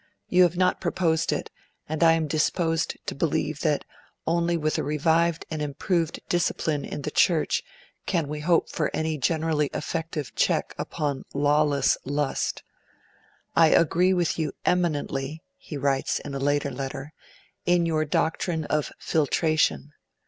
You have not proposed it; and I am disposed to believe that only with a revived and improved discipline in the Church can we hope for any generally effective check upon lawless lust.' 'I agree with you EMINENTLY,' he writes, in a later letter, 'in your doctrine of FILTRATION.